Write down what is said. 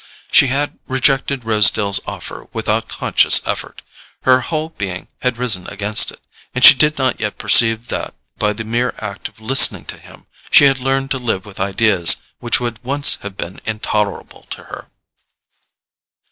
She had rejected Rosedale's offer without conscious effort; her whole being had risen against it; and she did not yet perceive that, by the mere act of listening to him, she had learned to live with ideas which would once have been intolerable to her.